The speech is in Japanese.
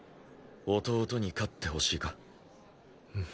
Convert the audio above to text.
弟に勝ってほしいか？